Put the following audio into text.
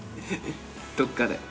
どっかで。